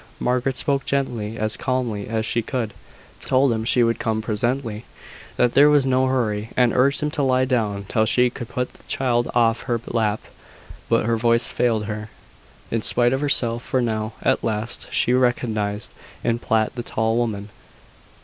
Margaret spoke gently as calmly as she could told him she would come presently that there was no hurry, and urged him to lie down till she could put the child off her lap; but her voice failed her, in spite of herself; for now, at last, she recognised in Platt the tall woman.